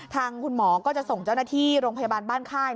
ทางคุณหมอก็จะส่งเจ้าหน้าที่โรงพยาบาลบ้านค่าย